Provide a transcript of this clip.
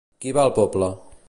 Qui va al poble?